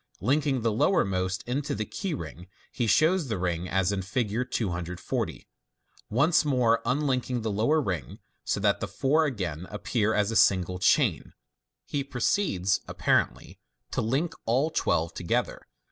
Linking the lowermost into the key ring, he shows the rings as in Fig. 240. Once more unlinking the lower ring, so that the four again appear as a single chain, he proceeds (apparently) to link all the twelve together.